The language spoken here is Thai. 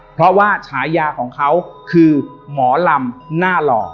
เพราะว่าฉายาของเขาคือหมอลำหน้าหล่อ